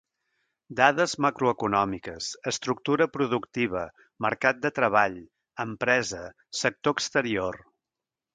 Dades macroeconòmiques, estructura productiva, mercat de treball, empresa, sector exterior...